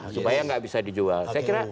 supaya tidak bisa dijual